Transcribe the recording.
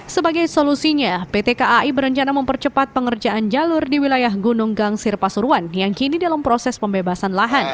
sebagai solusinya pt kai berencana mempercepat pengerjaan jalur di wilayah gunung gangsir pasuruan yang kini dalam proses pembebasan lahan